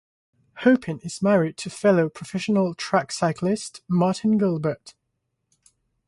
Hupin is married to fellow professional track cyclist Martin Gilbert.